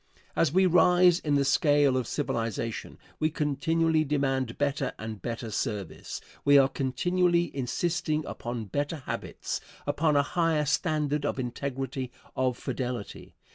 As we rise in the scale of civilization we continually demand better and better service. We are continually insisting upon better habits, upon a higher standard of integrity, of fidelity.